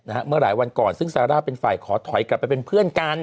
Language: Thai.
เมื่อหลายวันก่อนซึ่งซาร่าเป็นฝ่ายขอถอยกลับไปเป็นเพื่อนกัน